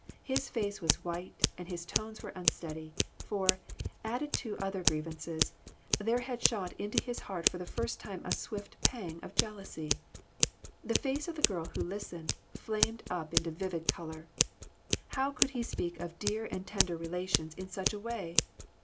His face was white, and his tones were unsteady, for, added to other grievances, there had shot into his heart for the first time a swift pang of jealousy. The face of the girl who listened, flamed up into vivid color. How could he speak of dear and tender relations in such a way